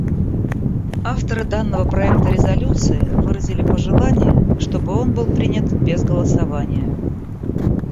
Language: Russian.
Авторы данного проекта резолюции выразили пожелание, чтобы он был принят без голосования.